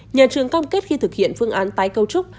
nhà trường cam kết khi thực hiện phương án tái cấu trúc